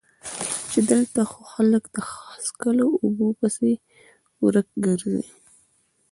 چې دلته خو خلک د څښلو اوبو پسې ورک ګرځي